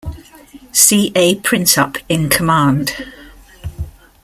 C. A. Printup in command.